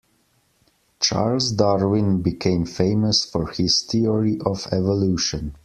Charles Darwin became famous for his theory of evolution.